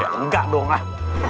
ya enggak dong lah